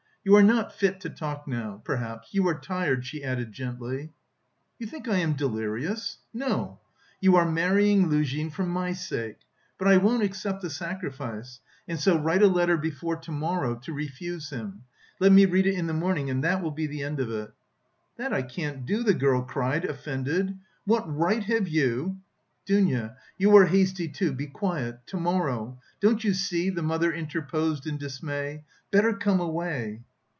"You are not fit to talk now, perhaps; you are tired," she added gently. "You think I am delirious? No... You are marrying Luzhin for my sake. But I won't accept the sacrifice. And so write a letter before to morrow, to refuse him... Let me read it in the morning and that will be the end of it!" "That I can't do!" the girl cried, offended, "what right have you..." "Dounia, you are hasty, too, be quiet, to morrow... Don't you see..." the mother interposed in dismay. "Better come away!"